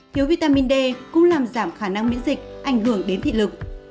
thiếu vitamin d cũng làm giảm khả năng miễn dịch ảnh hưởng đến thị lực